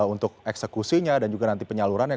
untuk eksekusinya dan juga nanti penyalurannya